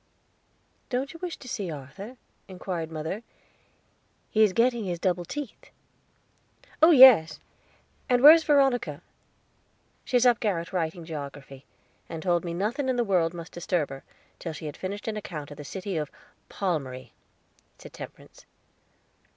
"Don't you wish to see Arthur?" inquired mother; "he is getting his double teeth." "Oh yes, and where's Veronica?" "She's up garret writing geography, and told me nothing in the world must disturb her, till she had finished an account of the city of Palmiry," said Temperance.